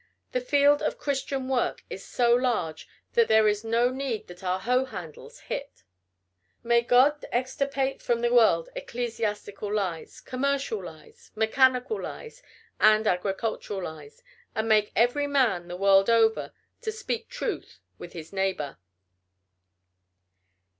The field of Christian work is so large that there is no need that our hoe handles hit. May God extirpate from the world ecclesiastical lies, commercial lies, mechanical lies, and agricultural lies, and make every man, the world over, to speak truth with his neighbor!